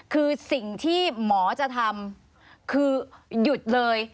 คือสิ่งที่หมอจะทำคือหยุดเลย